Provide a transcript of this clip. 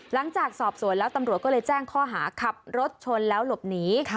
หลังจากสอบสวนแล้วตำรวจก็เลยแจ้งข้อหาขับรถชนแล้วหลบหนี